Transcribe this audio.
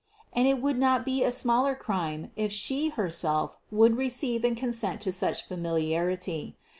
And it would not be a smaller crime if she herself would receive and consent to such familiarity.